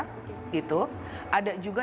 ada juga yang dibawa langsung dari korea